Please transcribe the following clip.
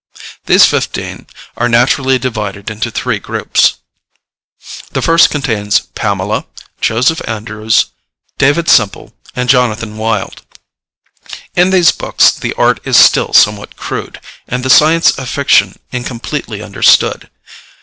These fifteen are naturally divided into three groups. The first contains Pamela, Joseph Andrews, David Simple, and Jonathan Wild. In these books the art is still somewhat crude, and the science of fiction incompletely understood.